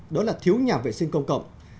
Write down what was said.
đó là thiếu nhà vệ sinh công cộng